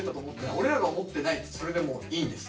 俺らが思ってないそれでもういいんです。